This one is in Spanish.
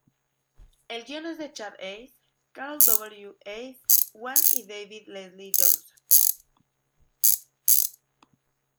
El guion es de Chad Hayes, Carey W. Hayes, Wan y David Leslie Johnson.